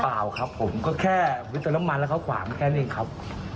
เปล่าครับผมก็แค่วิเครมมัลเค้าขวานแค่นี้ครับ